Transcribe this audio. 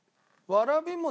わらび餅？